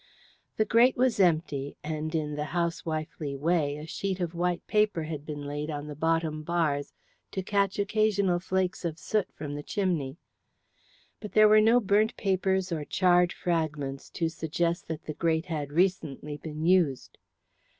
The grate was empty, and in the housewifely way a sheet of white paper had been laid on the bottom bars to catch occasional flakes of soot from the chimney. But there were no burnt papers or charred fragments to suggest that the grate had recently been used.